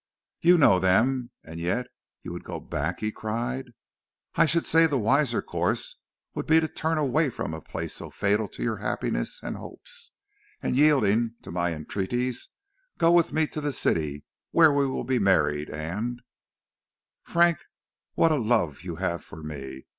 "You know them, and yet you would go back," he cried. "I should say the wiser course would be to turn away from a place so fatal to your happiness and hopes, and, yielding to my entreaties, go with me to the city, where we will be married, and " "Frank, what a love you have for me!